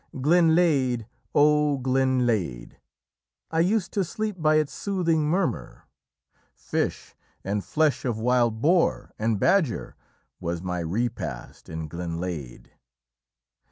Glenlaidhe! O Glenlaidhe! I used to sleep by its soothing murmur; Fish, and flesh of wild boar and badger, Was my repast in Glenlaidhe.